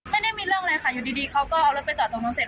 ไม่ได้มีเรื่องเลยค่ะอยู่ดีเขาก็เอารถไปจอดตรงนู้นเสร็จ